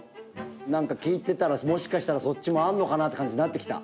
なんか聞いてたらもしかしたらそっちもあるのかなって感じになってきた。